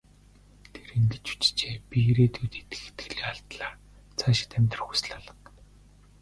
Тэр ингэж бичжээ: "Би ирээдүйд итгэх итгэлээ алдлаа. Цаашид амьдрах хүсэл алга".